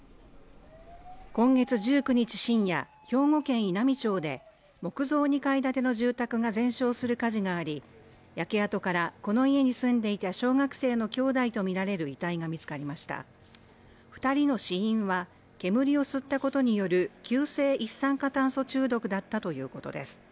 今月１９日深夜、兵庫県稲美町で木造２階建ての住宅が全焼する火事があり焼け跡からこの家に住んでいた小学生の兄弟と見られる遺体が見つかりました二人の死因は煙を吸ったことによる急性一酸化炭素中毒だったということです